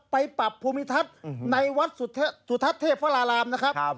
ไปปรับภูมิทัศน์ในวัดสุทัศน์เทพวรารามนะครับ